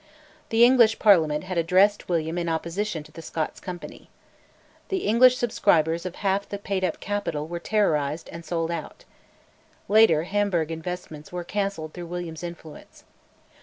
The English Parliament had addressed William in opposition to the Scots Company. The English subscribers of half the paid up capital were terrorised, and sold out. Later, Hamburg investments were cancelled through William's influence.